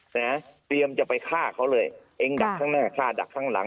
นะเตรียมจะไปฆ่าเขาเลยเองดักข้างหน้าฆ่าดักข้างหลัง